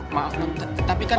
maaf tapi kan